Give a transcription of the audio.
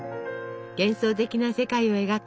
幻想的な世界を描き